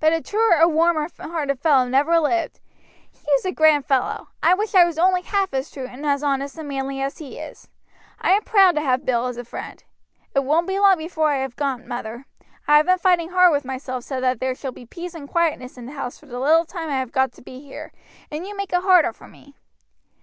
But a truer or warmer hearted fellow never lived. He is a grand fellow. I wish I was only half as true and as honest and manly as he is. I am proud to have Bill as a friend. It won't be long before I have gone, mother. I have been fighting hard with myself so that there shall be peace and quietness in the house for the little time I have got to be here, and you make it harder for me."